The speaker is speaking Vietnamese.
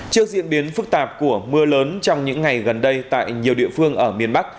trước diễn biến phức tạp của mưa lớn trong những ngày gần đây tại nhiều địa phương ở miền bắc